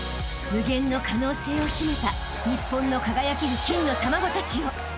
［無限の可能性を秘めた日本の輝ける金の卵たちよ］